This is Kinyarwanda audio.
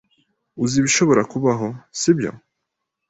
Uzi ibishobora kubaho, sibyo?